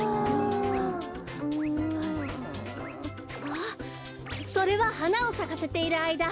あっそれははなをさかせているあいだ